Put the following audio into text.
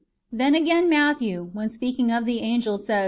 Then again Matthew, when speaking of the angel, says, ^ Gen. XV.